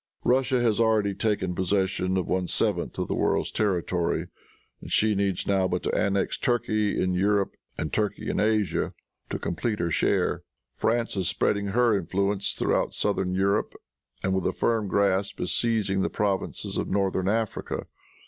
Russia has already taken possession of one seventh of the world's territory, and she needs now but to annex Turkey in Europe and Turkey in Asia to complete her share. France is spreading her influence throughout southern Europe, and, with a firm grasp, is seizing the provinces of northern Africa.